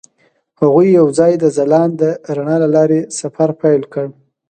هغوی یوځای د ځلانده رڼا له لارې سفر پیل کړ.